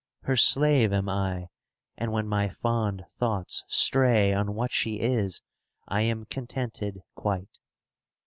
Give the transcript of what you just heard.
Her slave am I, and when my fond thoughts stray On what she is, I am contented quite.